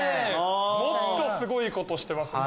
もっとすごいことしてますね。